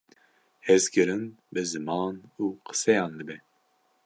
Hezkirin bi ziman û qiseyan dibe.